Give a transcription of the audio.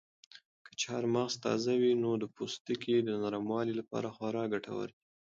که چهارمغز تازه وي نو د پوستکي د نرموالي لپاره خورا ګټور دي.